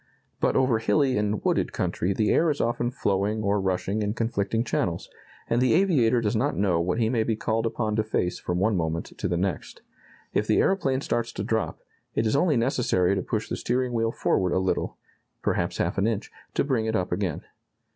But over hilly and wooded country the air is often flowing or rushing in conflicting channels, and the aviator does not know what he may be called upon to face from one moment to the next. If the aeroplane starts to drop, it is only necessary to push the steering wheel forward a little perhaps half an inch to bring it up again.